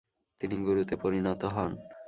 তিনি গুরুতে পরিনত হন।